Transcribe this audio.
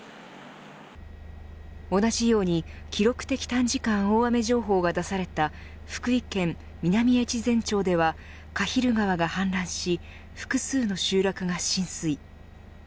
同じように記録的短時間大雨情報が出された福井県南越前町では鹿蒜川が氾濫し複数の集落が浸水。